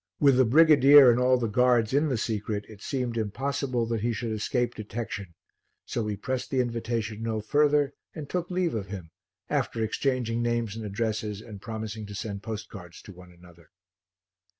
With the brigadier and all the guards in the secret, it seemed impossible that he should escape detection, so we pressed the invitation no further and took leave of him after exchanging names and addresses and promising to send postcards to one another.